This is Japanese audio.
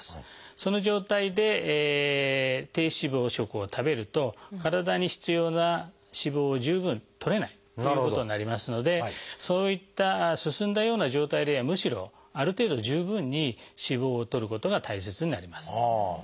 その状態で低脂肪食を食べると体に必要な脂肪を十分とれないということになりますのでそういった進んだような状態ではむしろある程度十分に脂肪をとることが大切になります。